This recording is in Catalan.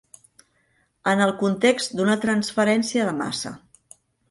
En el context d'una transferència de massa.